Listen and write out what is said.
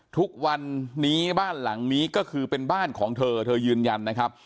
ทุกวันนี้บ้านหลังนี้ก็คือเป็นบ้านของเธอเธอยืนยันนะครับ